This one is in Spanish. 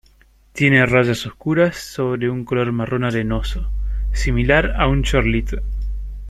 Tiene rayas oscuras sobre un color marrón arenoso, similar a un chorlito.